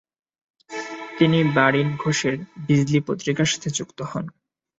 তিনি বারীন ঘোষের 'বিজলী' পত্রিকার সাথে যুক্ত হন।